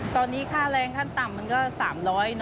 ตอนนี้ค่าแรงขั้นต่ำมันก็๓๐๐